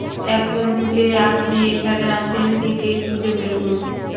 এখন যে আপনি এখানে আছেন, নিজেই খুঁজে বের করুন!